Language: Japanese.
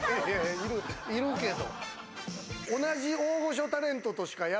いるけど。